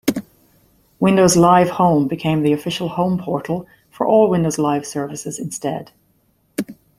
Windows Live Home became the official home portal for all Windows Live services instead.